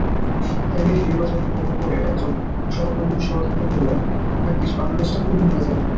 ফেনীর নির্বাচনের খবর পড়ে একজন সহকর্মী সখেদে বললেন, ভাগ্যিস বাংলাদেশটা ফেনী হয়ে যায়নি।